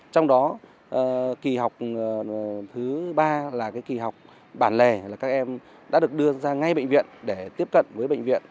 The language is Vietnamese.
trong đó kỳ học thứ ba là kỳ học bản lề các em đã được đưa ra ngay bệnh viện để tiếp cận với bệnh viện